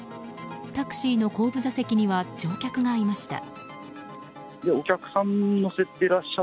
タクシーの後部座席には乗客がいました。